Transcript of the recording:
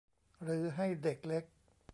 หรือให้เด็กเล็ก